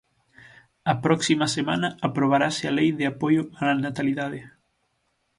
A próxima semana aprobarase a lei de apoio á natalidade.